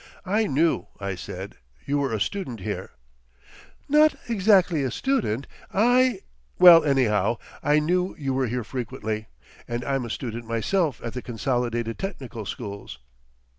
"I knew," I said, "you were a student here." "Not exactly a student. I—" "Well, anyhow, I knew you were here frequently. And I'm a student myself at the Consolidated Technical Schools."